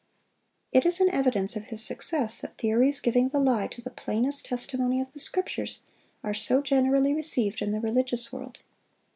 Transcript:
It is an evidence of his success that theories giving the lie to the plainest testimony of the Scriptures are so generally received in the religious world.